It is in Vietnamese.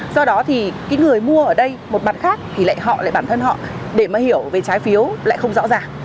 do đó thì cái người mua ở đây một mặt khác thì lại họ lại bản thân họ để mà hiểu về trái phiếu lại không rõ ràng